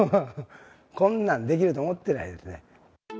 こんなんできると思ってないですね。